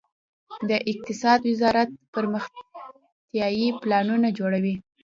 د اقتصاد وزارت پرمختیايي پلانونه جوړوي